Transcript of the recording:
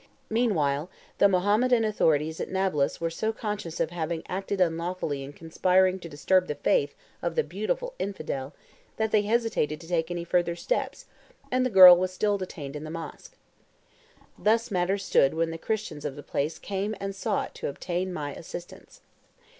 Meanwhile the Mahometan authorities at Nablus were so conscious of having acted unlawfully in conspiring to disturb the faith of the beautiful infidel, that they hesitated to take any further steps, and the girl was still detained in the mosque. Thus matters stood when the Christians of the place came and sought to obtain my assistance.